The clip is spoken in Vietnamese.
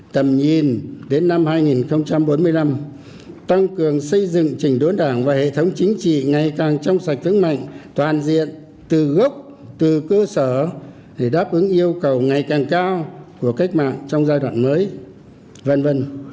tầm nhìn đến năm hai nghìn bốn mươi năm tăng cường xây dựng trình đốn đảng và hệ thống chính trị ngày càng trong sạch vững mạnh toàn diện từ gốc từ cơ sở để đáp ứng yêu cầu ngày càng cao của cách mạng trong giai đoạn mới v v